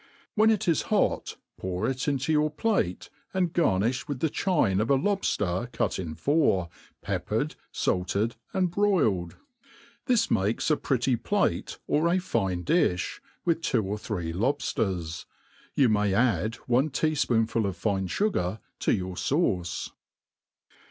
When it is hot, pour it into your plate, and garniih with the chine of a lobfter cut in four, peppered, fait* ed, and broiled. This makes a pretty plate, or a fine difl), with two or three lobfters. You may add one tea fpoonful of fine fugar to your fauce.